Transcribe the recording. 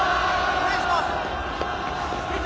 失礼します！